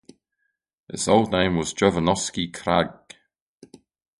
Its old name was Jovanovski Kraj.